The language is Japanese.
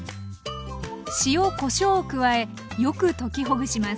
塩こしょうを加えよく溶きほぐします。